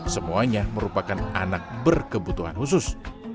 semuanya merupakan anak berkebutuhan khusus